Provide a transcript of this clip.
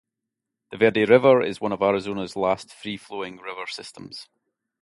The Verde River is one of Arizona's last free-flowing river systems.